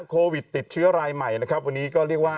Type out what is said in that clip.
โควิดติดเชื้อรายใหม่นะครับวันนี้ก็เรียกว่า